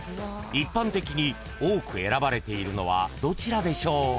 ［一般的に多く選ばれているのはどちらでしょう？］